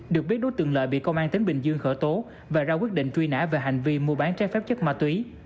được biết đối tượng lợi bị công an tỉnh bình dương khởi tố và ra quyết định truy nã về hành vi mua bán trái phép chất ma túy